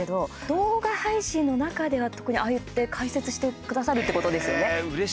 動画配信の中では特にああやって解説してくださるっていうことですよね。